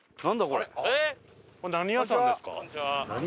これ何屋さんですか？